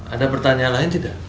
ada pertanyaan lain tidak